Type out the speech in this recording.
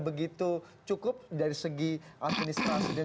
begitu cukup dari segi administrasi